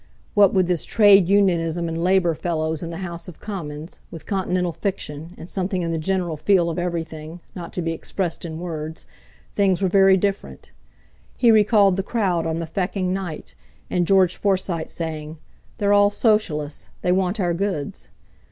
What with this Trade Unionism, and Labour fellows in the House of Commons, with continental fiction, and something in the general feel of everything, not to be expressed in words, things were very different; he recalled the crowd on Mafeking night, and George Forsyte saying: "They're all socialists, they want our goods."